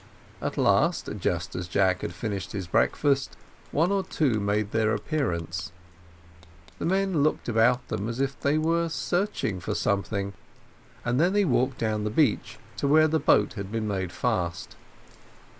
At last, just as Jack had finished his breakfast, one or two made their appearance: the men looked about them as if they were searching for something, and then walked down to the beach, to where the boat had been made fast.